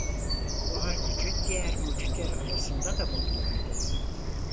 Buhar gücü diğer mucitler arasında da popülerdi.